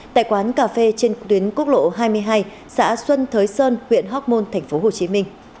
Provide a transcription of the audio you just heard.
tại quán cà phê trên tuyến quốc lộ hai mươi hai xã xuân thới sơn huyện hóc môn tp hcm